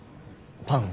パン？